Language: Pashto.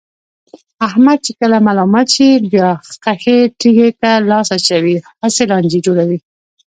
احمد چې کله ملامت شي، بیا خښې تیګې ته لاس اچوي، هسې لانجې جوړوي.